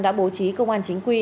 đã bố trí công an chính quy